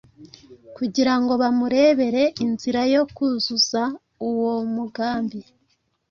kugira ngo bamurebere inzira yo kuzuzuza uwo mugambi